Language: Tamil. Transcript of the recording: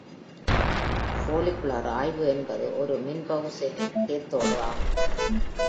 ஃபோலிகுலர் ஆய்வு என்பது ஒரு மின் பகு செல்லின் கேத்தோடு ஆகும்.